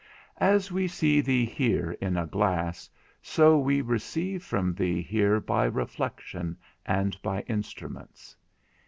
As we see thee here in a glass, so we receive from thee here by reflection and by instruments.